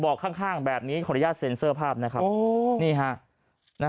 บอกข้างแบบนี้ขนาดเซ็นเซอร์ภาพนะครับโอ้นี่ฮะนะ